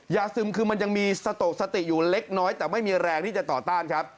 ซึมคือมันยังมีสติตกสติอยู่เล็กน้อยแต่ไม่มีแรงที่จะต่อต้านครับ